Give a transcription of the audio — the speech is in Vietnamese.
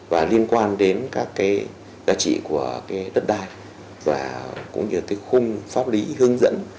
và liên quan đến các giá trị của đất đai và cũng như khung pháp lý hướng dẫn